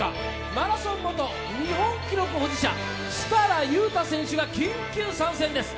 マラソン元日本記録保持者、設楽悠太選手が緊急参戦です。